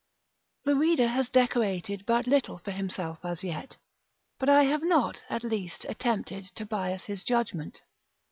The reader has decorated but little for himself as yet; but I have not, at least, attempted to bias his judgment.